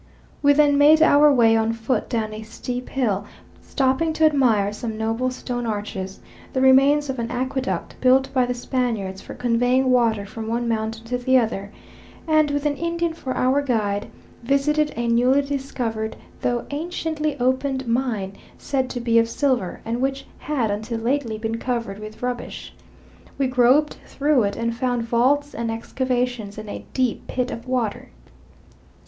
We then made our way on foot down a steep hill, stopping to admire some noble stone arches, the remains of an aqueduct built by the Spaniards for conveying water from one mountain to the other; and with an Indian for our guide, visited a newly discovered, though anciently opened mine, said to be of silver, and which had until lately been covered with rubbish. We groped through it, and found vaults and excavations and a deep pit of water.